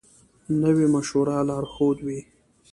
نوی مشوره لارښود وي